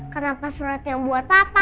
kenapa suratnya buat papa